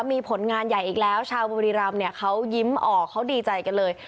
มีผลงานใหญ่อีกแล้วชาวบุรีรำเนี่ยเขายิ้มออกเขาดีใจกันเลย